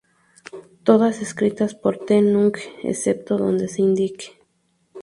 Todas escritas por Ted Nugent, excepto donde se indique.